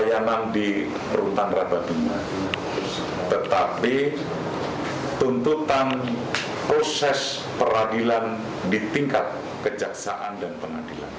terjadi akibat beberapa tahanan pengadilan yang ingin melakukan protes kekejaksaan dan pengadilan karena telah berulang kali menunda jadwal sidang